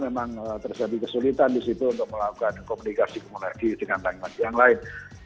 memang terjadi kesulitan disitu untuk melakukan komunikasi komunikasi dengan yang lain